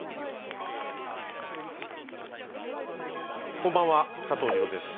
こんばんは佐藤二朗です。